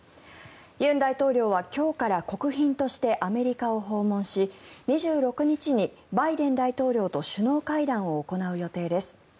尹大統領は今日から国賓としてアメリカを訪問し２６日にバイデン大統領と首脳会談を行う予定です。